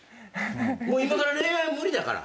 もう今から恋愛無理だから。